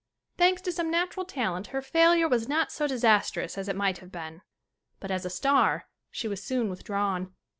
Thanks to some natural talent her failure was not so disastrous as it might have been. But as a star, she was soon withdrawn.